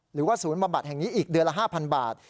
หรือว่าศูนย์บำบัดแห่งนี้อีกเดือนละ๕๐๐บาท